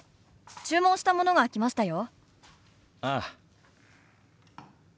注文したものが来ましたよ。